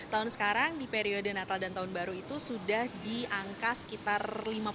tahun sekarang di periode natal dan tahun baru itu sudah di angka sekitar lima puluh